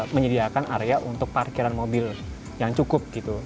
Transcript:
menyediakan area untuk parkiran mobil yang cukup gitu